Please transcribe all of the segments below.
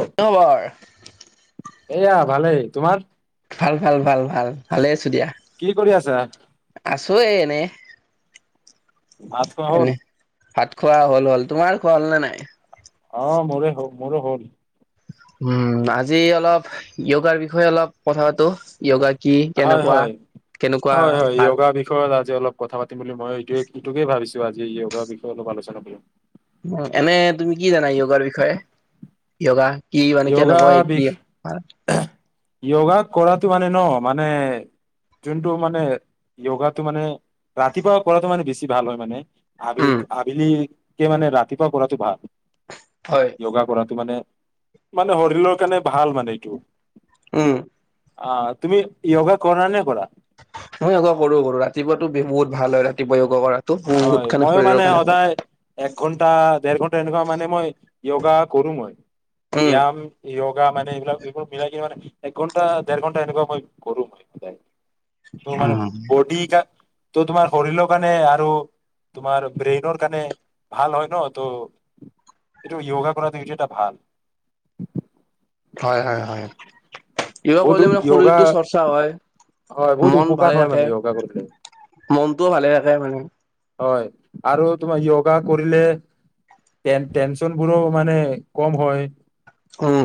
কি খবৰ? এইয়া ভালেই, তোমাৰ? ভাল ভাল ভাল ভাল ভালে। ছো দিয়া কি কৰি আছা আছো এ এনেই। ভাত খোৱা হ'ল? ভাত খোৱা হ'ল হ'ল, তোমাৰ খোৱা হ'ল নে নাই? অ', মোৰে হ'ল মোৰো হ'ল। উম আজি অলপ য়গাৰ বিষয়ে অলপ কথা পাতো য়োগা কি হয় কেনেকুৱা হয় কেনেকুৱা হয় হয় ভাল য়োগা বিষয়ত আ অলপ কথা পাতিম বুলি মই এইটোৱে এইটোকে ভাবিছো আজি যয়োগৰ বিষয়ে অলপ আলোচনা কৰি এনে তুমি কি জানা য়োগাৰ বিষয়ে য়োগা কি মানে য়োগা কেনেকয় বিষ কি য়োগা কৰাতো মানে ন মানে যোনটো মানে য়োগাটো মানে ৰাতিপুৱা কৰাটো মানে বেছি ভাল হয় মানে। আ উম আবিলি এ মানে ৰাতিপুৱা পঢ়াটো ভাল হয় য়গা কৰাটো মানে মানে শৰীৰৰ কাৰণে ভাল মানে এইটো উম অ, তুমি য়োগা কৰা নে কৰা? মই য়োগা কৰো -কৰো ৰাতিপুৱাতো বে বহুত ভাল হয় ৰাতিপুৱা য়োগা কৰাত। হয় ময়ো মানে সদায় এক ঘণ্টা, দেৰ ঘন তেনেকুৱা মানে মই য়োগা কৰো মই উম ব্যায়াম, য়গ যোৱা মানে এইবিলাক এইবোৰ মিলাই কিনে মানে এক ঘন্টা, দেৰ ঘন্টা এনেকুৱা মই কৰো মই যাই। ত, মানে বডি কা তো তোমাৰ শৰীলৰ কাৰণে [unintelligible] টো তোমাৰ ব্ৰেইনৰ কাৰণে ভাল হয় ন' তো এইটো য়োগা কৰাটো এইটো এটা ভাল। হয়-হয়-হয়। য়োগা বহুত কৰিলে মানে য়োগা শৰীৰটো চৰ্চা হয় বহুত মন উপকাৰ ভালে হয় মানে থাকে য়োগা কৰিলে মন ত' ভালে থাকে মানে হয় আৰু তোমাৰ য়োগা কৰিলে টেন-টেনচনবোৰো মানে কম হয়। উম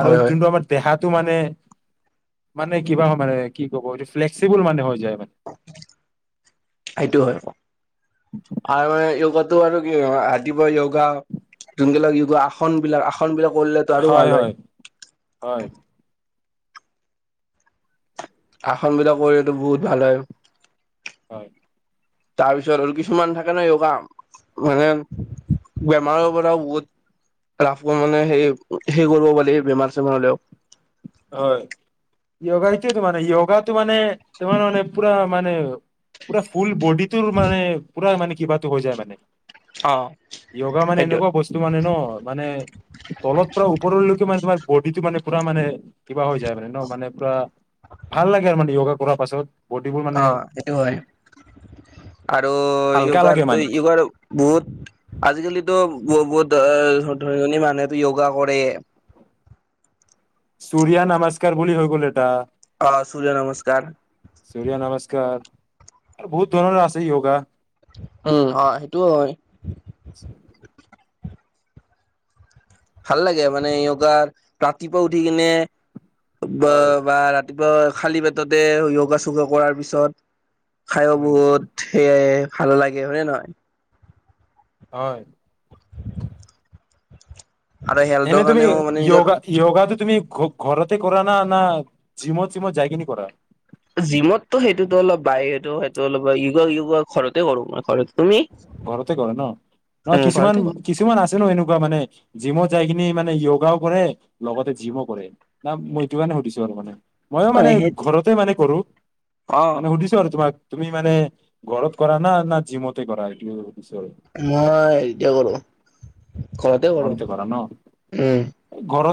আৰু হয় হয় যোনটো আমাৰ দেহাত টো মানে-মানে কিবা মানে কি ক'ব এইটো ফ্লেক্সিবোল মানে হৈ যায়। মানে। [unintelligible] ত আৰু কি হয় ৰাতিপুৱা য়োগা যোনবিলাক য়োগা আসন বিলাক আসন বিলাক কৰিলেতো আৰু ভাল হয়। হয় আসন বিলাক কৰিলেতো বহুত ভাল হয়। হয়। তাৰপিছত আৰু কিছুমান থাকে ন য়োগা মানে বেমাৰৰ পৰাও বহুত লাভ [unintelligible] মানে সেই হে কৰিব পাৰি বেমাৰ চেমাৰ হলেও। হয় য়োগা এইটোয়েটো মানে য়োগাটো মানে তোমাৰ মানে পুৰা মানে পুৰা ফুল বডিটোৰ মানে পূৰা মানে কি কিবাটো হৈ যায় মানে। অ য়োগা মানে সেইটোৱে এনেকুৱা বস্তু মানে ন মানে তলত পৰা ওপৰলৈকে মানে তোমাৰ বডিটো মানে পুৰা মানে কিবা হৈ যায় মানে ন মানে পুৰা ভাল লাগে আৰু মানে য়োগা কৰা পাছত বডিবোৰ মানে অ' সেইটো হয়, আৰু হালকা লাগে য়োগাৰো মানে। য়োগাৰ বহুত আজিকালিতো বহত বহুত ধন ধনী মানুহেতো য়োগা কৰে। সূৰিয়া নমস্কাৰ বুলি হৈ গ'ল এটা। অ' সূৰিয় নমস্কাৰ। সূৰ্য্য নমস্কাৰ বহুত ধৰণৰ আছে য়োগা। উম অ সেইটোও হয়। ভাল লাগে মানে য়োগাৰ ৰাতিপুৱা উঠি কিনে ব হয় বাৰ ব খালী পেটতে যোগা-চোগা কৰাৰ পিছত, খাই উম। বহুত সেইয়াই। ভাল লাগে হয়নে নহয়? হয়। । [inaudible] এনেই তুমি মানে নিজৰ য়গা-য়গা টো তুমি ঘ ঘৰতে কৰা না ন জিমত চিমত যাইকিনি কৰা? জিমতো সেইটোটো অলপ বাই সেইটো-সেইটো য়গা- য়গা ঘৰতে কৰো মই ঘৰত তুমি? ঘৰতে কৰে ন উম ঘৰতে কৰো কিছুমান-কিছুমান আছে ন এনেকুৱা মানে জিমই যাই কিনি মানে য়োগাও কৰে লগতে জিমো কৰে না মই এইটো কাৰণে সুধিছো আৰু মানে। মযো অ মানে সেই ঘৰতে মানে কৰো অ মানে সুধিছো আৰু তোমাক তুমি মানে ঘৰত কৰা না-না জিমতে কৰা। উম মই এতিয়া কৰো ঘৰতে কৰো উম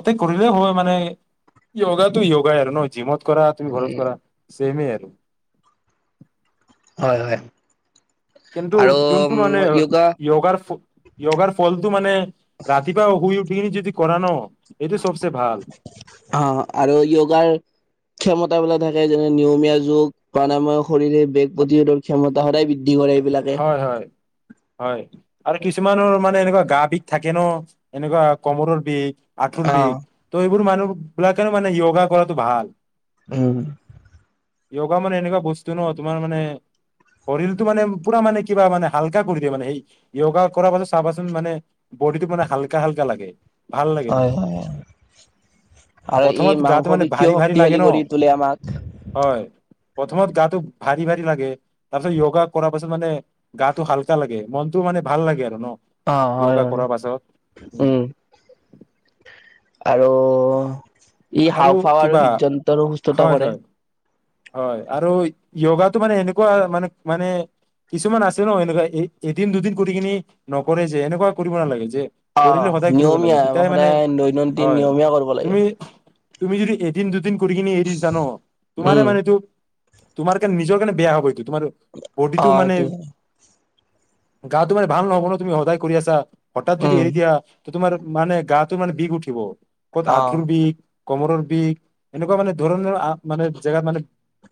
ত কৰিলে হয় মানে য়োগাটো য়োগাই আৰু ন জিমত কৰা তুমি ঘৰত উম কৰা। সেইবোৰ আৰু হয় হয়। কিন্তু আৰু যোনটো মানে য়োগা য়োগাৰ য়গাৰ ফলটো মানে ৰাতিপুৱা শুই উঠ। যদি কৰান অ' আৰু য়গাৰ ক্ষমতাবিলাক যেনে নিয়মীয়া যুগ প্ৰানাময়ৰ শৰীৰে বেগ প্ৰতিৰোধৰ ক্ষমতা সদায় বদ্ধি। হয়-হয়-হয়। আৰু কিছুমানৰ মানে এনেকুৱা গা বিষ থাকে ন এনেকুৱা কমৰৰ বিষ। আঠোৰ বিষ ত' এইবোৰ মানুহ, বিলাকে মানে য়গা কৰাটো ভাল। উম য়গা মানে এনেকুৱা বস্তু ন তোমাৰ মানে শৰীৰতটো মানে। পুৰা মানে কিবা মানে হাল্কা কৰি দিয়ে মানে সেই য়গা কৰাৰ পাছত চাবাচোন মানে বডটো মানে হালকা-হালকা লাগে। ভাল লাগে মানে হয়-হয় আৰু এই প্ৰথমত গাটো মাংস মানে পেশীও ভাৰী ভাৰী লাগে শক্তিশালী ন কৰি তোলে আমাক। হয় প্ৰথমত গাটো ভাৰি - ভাৰি লাগে তাৰপিছত য়োগা কৰা তাৰ পাছত মানে গাটো হাল্কা লাগে মনতো মানে ভাল লাগে আৰু ন। অহ ' হয় য়োগা - হয় কৰাৰ পাছত উম। আৰু ই হাওফাও আৰু হৃদযন্তৰো সুস্থতা হয় কৰে। হয় হয় আৰু য়োগাতটো মানে এনেকুৱা মানে - মানে কিছুমান আছে ন এনেকুৱা এ এদিন দুদিন কৰি কিনি নকৰে যে এনেকুৱা কৰিব নালাগে যে। অহ কৰিলে সদায় ' কৰিব লাগে নিয়মীয়া তেতিয়াই মানে সদায় দৈনন্দিন হয় নিয়মীয়া কৰিব লাগে। তুমি তুমি যদি এদিন দুদিন কৰি কিনি এৰি দিছা ন তোমাৰে উম মানে তোমাৰ কাৰণে নিজৰ কাৰণে বেয়া হ'ব এইটো। তোমাৰ অ বডিটো মানে সেইটো হয় গা তোমাৰ ভাল নহ'ব ন তুমি সদায় কৰি আছা। হঠাৎ যদি উম এৰি দিয়া। তোমাৰ মানে গাটো মানে বিষ উঠিব। ক'ত অ আতৰু বি কমৰ বিষ এনেকুৱা মানে ধৰণৰ মানে জেগাত মানে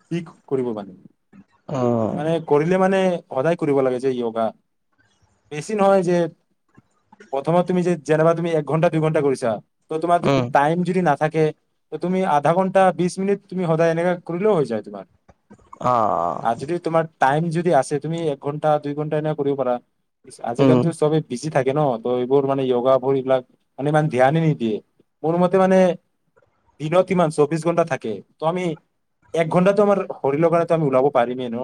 কি কৰিব পাৰে। উম মানে কৰিলে মানে সদায় কৰিব লাগে যে য়োগা বেছি নহয় যে প্ৰথমত তুমি যে যেনেবা তুমি এক ঘন্টা দুইঘন্টা কৰিছা। ত' তোমাৰ যদি উম টাইম যদি নাথাকে। থাকে ত তুমি আধা ঘন্টা বিশ মিনিট তুমি সদায় এনেকে কলেও হৈ যায় তোমাৰ। অ আৰু যদি তোমাৰ টাইম যদি আছে। তুমি এক ঘণ্টা দুই ঘণ্টা এনে কৰিব পাৰা। উম আজিকালতো চবেই বিজি থাকে। ন ত এইবোৰ মানে যয়োগাবোৰ এইবিলাক মানে ইমান ধ্যানে নিদিয়ে মোৰ মতে মানে দিনত ইমান চৌবিশ ঘন্টা থাকে। ত' আমি এক ঘন্টাটো আমাৰ শৰীৰৰ কাৰণে আমি ওলাব পাৰিমেই ন।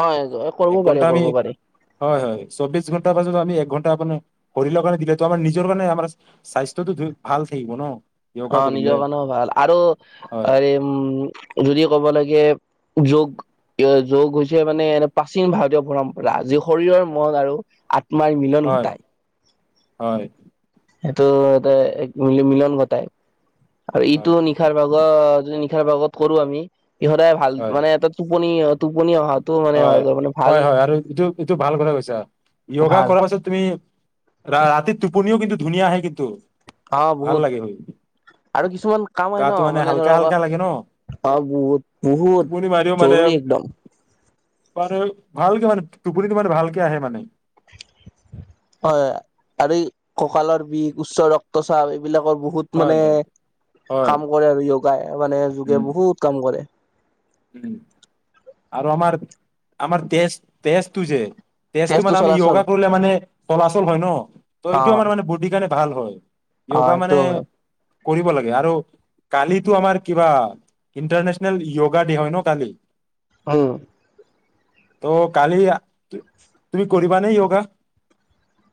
হয় কৰিব এক পাৰি ঘন্টা - আমি কৰিব পাৰি। হয় - হয় চৌবিশ ঘণ্টাৰ পছত আমি এক ঘণ্টা মপানে শৰীৰৰ কাৰণে দিলে আমাৰ নিজৰ কাৰণে আমাৰ স্বাস্থ্যয়টো ভাল থাকিব ন। য়োগা অহ ' কৰিলে নিজৰ কাৰণেও ভাল আৰু হয় হ উম। যদি ক'ব লাগে যোগ - যোগ হৈছে মানে এনে প্ৰাচীন ভাৰতীয় পৰম্পৰা যি শৰীৰৰ মন আৰু আ তোমাৰ মিলন হয় ঘটায়। হয়। সেইটো এতে ম মিলন ঘটাই। আৰু ইটো হয় নিশাৰ ভাগৰ যদি [unintelligible] ভাগত কৰো আমি। সিহঁতৰে‌ ভাল, হয় মানে এটা টোপনি টোপনি অহাত হয়। হয়, হয়। আৰু এইটো এইটো ভাল কথা কৈছা। য়োগা ভাল কৰাৰ পাছত তুমি ৰা ৰাতি টোপনিও কিন্তু ধুনীয়া আহে কিন্তু। অ', ভাল বহুত। লাগে শুই আৰু কিছুমান কাম আহে ন গাটো মানে হালকা ধৰক, অ', হালকা লাগে ন বহুত বহুত জৰুৰী একদম। মান ভালকে মানে টোপনিটো মানে ভালকে আহে মানে। হয়, আৰু কঁকালৰ বিষ, উচ্চ ৰক্তচাপ এই বিলাকৰ বহুত হয় মানে হয় হয় কাম কৰে আৰু য়ো যায়। মানে যোগে উম বহুত কাম কৰে। উম। আৰু আমাৰ, আমাৰ তেজ, তেজটো যে তেজটো মানে আমি য়োগা কৰিলে মানে চলাচল হয় ন। ত' অ এইটো আমাৰ মানে বডী কাৰণে ভাল হয়। অ য়োগা সেইটো মানে হয় কৰিব লাগে। আৰু কালিতো আমাৰ কিবা, ইণ্টাৰনেচনেল য়োগা দে হয় ন কালি? উম। ত' কালি তুমি কৰিবানে য়োগা?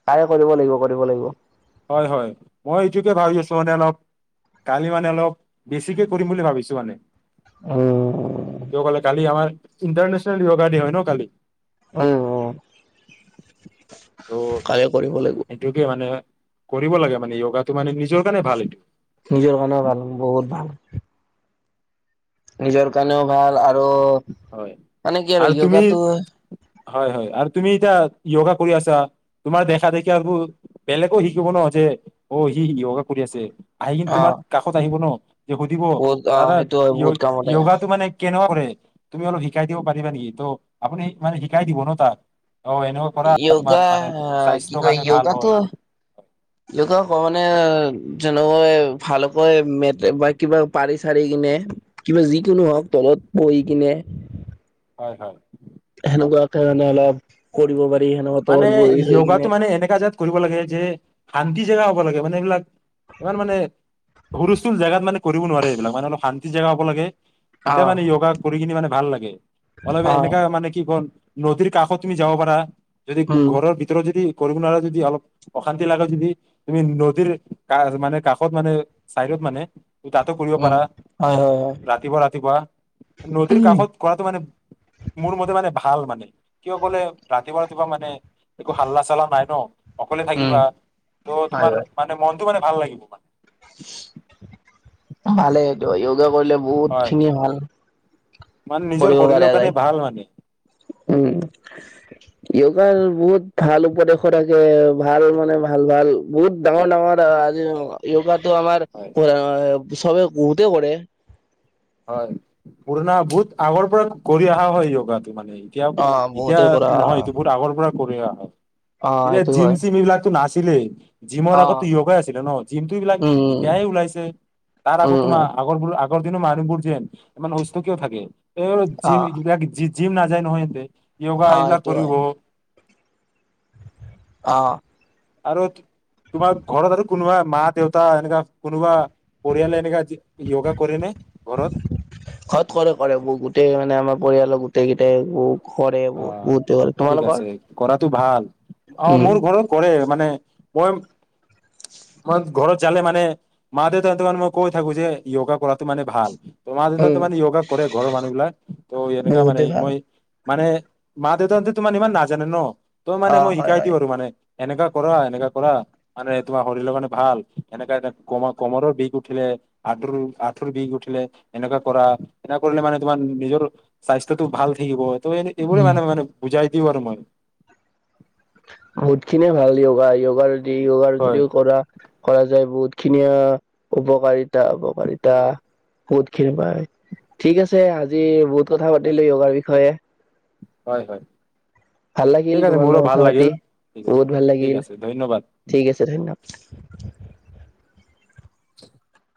তাৰে কৰিব লাগিব, কৰিব লাগিব। হয়, হয়। মই এইটোকে ভাবি আছোঁ মানে অলপ, কালি মানে অলপ বেছিকে কৰিম বুলি ভাবিছোঁ মানে। উম কিয় ক'লে কালি আমাৰ ইণ্টৰনেশ্যল য়োগা ডে হয় ন কালি? উম অঁ, ত' কালি কৰিব লাগিব। সেইটোকে মানে কৰিব লাগে মানে য়োগাটো মানে নিজৰ কাৰণে ভাল এইটো। নিজৰ কাৰণেও ভাল, বহুত ভাল। নিজৰ কাৰণেও ভাল, আৰু ৰু, হয় মানে কি আৰু য়োগাতো হয়, হয়। আৰু তুমি এতিয়া য়োগা কৰি আছা, তোমাৰ দেখা দেখি আৰু বেলেগও শিকিব ন' যে অ' সি য়োগা কৰি আছে। আহি কিনে অ তোমাৰ কাষত আহিব ন'। তে সুধিব, বহুত অ দাদা সেইটো হয় য়ো বহুত কামত আহে য়োগাটো মানে ক কেনেকুৱা কৰে? তুমি অলপ শিকাই দিব পাৰিবা নেকি? ত' আপুনি মানে শিকাই দিব ন তাক। অ এনেকুৱা কৰা তোমাৰ য়োগা, মানে কি স্বাস্থ্যৰ কয় কাৰণে ভাল হয় য়োগাটো, য়োগা কমন মে যেনেকৈ ভালকৈ ম বা কিবা পাৰি চাৰি কিনে কিবা যিকোনো হওঁক, তলত পৰি দিনে হয় হয় সেনেকুৱাকে মানে অলপ কৰিব পাৰি খান মত মানে চেই য়োগাটো কিনে মানে এনেকা জাত কৰিব লাগে যে শান্তি জেগা হ'ব লাগে মানে এইবিলাক ইমান মানে হৰুস্থুল জেগাত মানে কৰিব নোৱাৰে এইবিলাক মানে অলপ শান্তি জেগা হ'ব লাগে অ তেতিয়া মানে যয়োগা কৰি কিনি মানে ভাল লাগে উ অলপ এনেককা মানে কি কল নদীৰ কাষত তুমি যাব পাৰা যদি উম ঘৰৰ ভিতৰত যদি কৰিব ন যদি অলপ অশান্তি লাগে যদি তুমি নদীৰ ক মানে কাষত মানে চাইডত মানে ত তাতো কৰিব উম পাৰা হয় হয় ৰাতিপুৱা ৰাতিপুৱা নদীৰ হয় কাষত কৰাতটো মানে মোৰ মতে মানে ভাল মানে কিয় ক'লে ৰাতিপুৱা এইবা মানে একো হাল্লা চাল্লা নাই ন অকলে উম থাকিবা ত' হয় তোমাৰ হয় মানে মন মনটো মানে ভাল লাগিব মানে ভালেটো য়গা কৰিলে বহুত হয় খিনি ভাল মানে নিজৰ কৰিব পাৰে শৰীৰৰ যায় কাৰণে ভাল মানে উম য়গাৰ বহুত ভাল উপদেশত আছেভাল মানে ভাল ভাল বহুত ডাঙৰ ডাঙৰ আজি য়্গাত ত আমাৰ হয়। চবেই গোউতে কৰে হয় পুৰণা বহুত আগৰ পৰা কৰি অহা হয় য়গাত টো মানে এতিয়া অ এতিয়া বহুতে কৰা নহয় এইটো বহুত আগৰ পৰা কৰি হয় অ ই সেইটো জিম হয় চিম এইবিলাকছো আছেই দিলেই জিমৰ অ আগতো য়গা আছিলে ন জিমটো এইবিলাক উম উম এতিয়াহে ওলাইছে তাৰ আগত উম তোমাৰ উম আগৰ ব কন্তিনিও সেইবোৰ যেন ইমান অস্ত কিয় থাকে এইব অ জিম যিবিলাক জি জিম নাযায় নহয় সিহতে য়গা অ এইবিলাক এইটো কৰিব হয় অ'। আৰু তোমাৰ ঘৰত আৰু কোনোবা মা দেউতা এনেকুৱা কোনোবা পৰিয়ালে য়োগা কৰেনে? ঘৰত কৰে কৰে গোটেই মানে আমাৰ পৰিয়ালৰ গোটেই কেইটাই কৰে অ' বহুতে কৰে ঠিক তোমালোকৰ আছে কৰাটো ভাল। অ' উম মোৰ ঘৰত কৰে মানে মই মই ঘৰত যালে মানে মা দেউতা হতক কৈ থাকো যে য়োগা কৰাতো মানে ভাল। তোমাৰ দেউতা উম মানে য়োগা কৰে ঘৰৰ মানুহ বিলাক ত এনেকোৱা মানে বহুতে ভাল মই মানে মা দেউতাহতে তোমাৰ ইমান নাজানে ন ত মানে অ মই হয় শিকাই দি হয় আৰু মানে। এনেকোৱা কৰা এনেকোৱা কৰা মানে তোমাৰ শৰীৰৰ কাৰণে ভাল এনেকা এ কম কমৰৰ বিষ উঠিলে আঁঠুৰ আঁঠুৰ বিষ উঠিলে এনেকোৱা কৰা এনেকে কৰিলে মানে তোমাৰ নিজৰ স্বাস্থ্যটো ভাল থাকিব। এইবোৰৰে উম মানে মান বুজাই [unintelligible] আৰু মই। বহুত খিনিয়ে ভাল য়োগা, য়োগাৰ দেই য়োগাৰ হয় যদিও কৰা কৰা যায় বহুত খিনিয়ে উপকাৰিতা উপকাৰিতা বহুত খিনি পায়। ঠিক আছে, আজি বহুত কথা পাতিলোঁ, য়োগাৰ বিষয়ে হয়, হয়। ভাল লাগিল ঠিক আছে তোমাৰ মোৰো লগত ভাল কথা পাতি লাগিল ঠিক আছে বহুত ভাল ঠিক লাগিল। আছে ধন্যবাদ ঠিক আছে, ধন্যবাদ। [unintelligible]